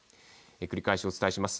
繰り返しお伝えします。